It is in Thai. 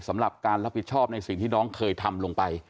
สำหรับการรับผิดชอบในสิ่งที่น้องเคยทำลงไป